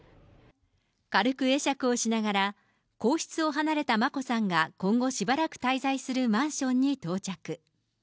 軽く会釈をしながら、皇室を離れた眞子さんが今後、しばらく滞在するマンションに到着。